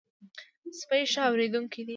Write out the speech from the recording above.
سپي ښه اورېدونکي دي.